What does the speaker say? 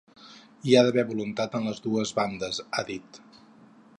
Hi ha d’haver voluntat a les dues bandes, ha dit.